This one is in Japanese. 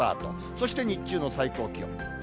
そして日中の最高気温。